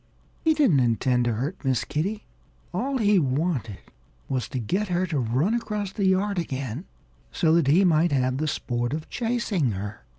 He didn't intend to hurt Miss Kitty. All he wanted was to get her to run across the yard again, so that he might have the sport of chasing her.